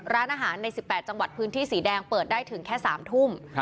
ร้านอาหารใน๑๘จังหวัดพื้นที่สีแดงเปิดได้ถึงแค่๓ทุ่ม